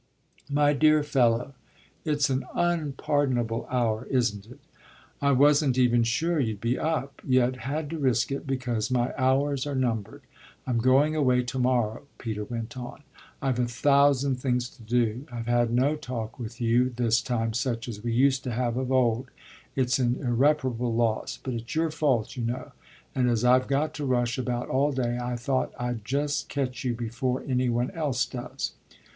"My dear fellow, it's an unpardonable hour, isn't it? I wasn't even sure you'd be up, yet had to risk it, because my hours are numbered. I'm going away to morrow," Peter went on; "I've a thousand things to do. I've had no talk with you this time such as we used to have of old (it's an irreparable loss, but it's your fault, you know), and as I've got to rush about all day I thought I'd just catch you before any one else does."